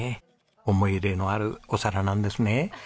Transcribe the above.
思い入れのあるお皿なんですね？